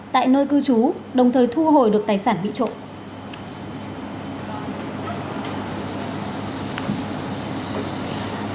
tại nơi cư trú đồng thời thu hồi được tài sản bị trộm